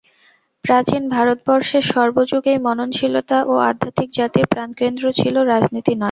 প্রাচীন ভারতবর্ষের সর্বযুগেই মননশীলতা ও আধ্যাত্মিকতা জাতির প্রাণকেন্দ্র ছিল, রাজনীতি নয়।